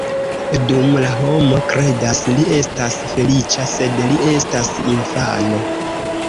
Dum la homo kredas, li estas feliĉa, sed li estas infano.